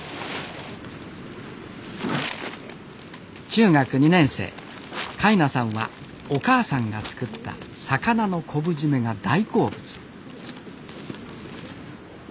中学２年生海奈さんはお母さんが作った魚の昆布締めが大好物。